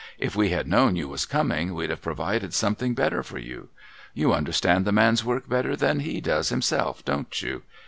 If we had known you was coming, we'd have provided something better for you. You understand the man's work better than he does himself, don't you